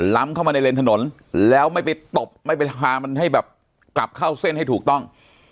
ล้ำเข้ามาในเลนถนนแล้วไม่ไปตบไม่ไปพามันให้แบบกลับเข้าเส้นให้ถูกต้อง